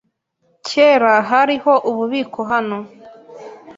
Kera hariho ububiko hano.